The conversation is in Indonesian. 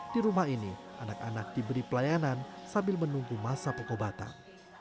di rumah ini anak anak diberi pelayanan sambil menunggu masa pengobatan